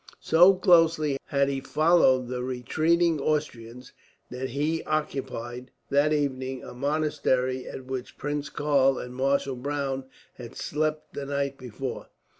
So closely had he followed the retreating Austrians that he occupied, that evening, a monastery at which Prince Karl and Marshal Browne had slept the night before.